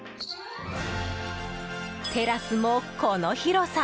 テラスもこの広さ！